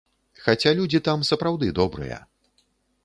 Хаця людзі там сапраўды добрыя.